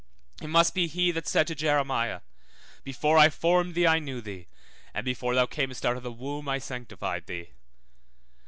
It must be he that said to Jeremiah, Before I formed thee I knew thee, and before thou camest out of the womb I sanctified thee.